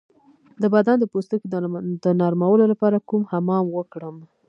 د بدن د پوستکي د نرمولو لپاره کوم حمام وکړم؟